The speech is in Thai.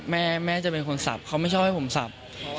แม่จะเป็นคนสับเขาไม่ชอบให้ผมสับ